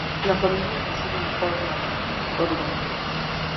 La familia reside en Portland, Oregón.